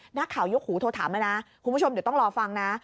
นักข่าวยกหูโทรถามมานะคุณผู้ชมเดี๋ยวต้องรอฟังนะ